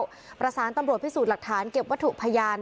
ก็ประสานตำรวจพิสูจน์หลักฐานเก็บวัตถุพยาน